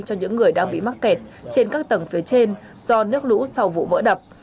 cho những người đang bị mắc kẹt trên các tầng phía trên do nước lũ sau vụ vỡ đập